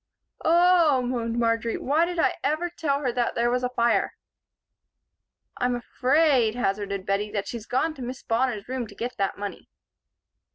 "Oh," moaned Marjory, "why did I ever tell her that there was a fire?" "I'm afraid," hazarded Bettie, "that she's gone to Miss Bonner's room to get that money."